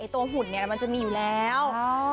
ตัวหุ่นเนี่ยมันจะมีอยู่แล้ว